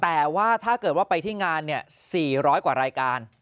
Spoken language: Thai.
แต่ว่าถ้าเกิดว่าไปที่งาน๔๐๐กว่ารายการ